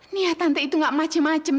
nih ya tante itu gak macem macem